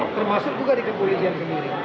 termasuk juga di kepolisian sendiri